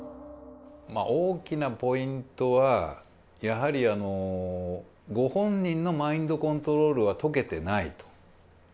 大きなポイントは、やはり、ご本人のマインドコントロールが解けてないと。